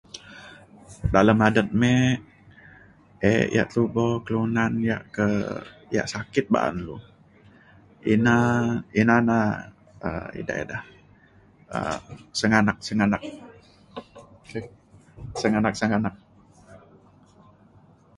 Dalem adet me ek ya tubo kelunan ya ke ya sakit baan lu ina ina na um ida ida um senganak senganak senganak senganak